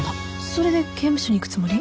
それで刑務所に行くつもり？